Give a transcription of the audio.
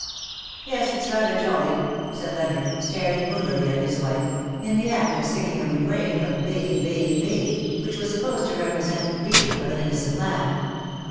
"*^ '^Yes, it's rather jolly/' said Leonard^ staring moodily at his wife^ in the act of singing a refrain of Be be bCj which was supposed to represent the bleating of an innocent lamb.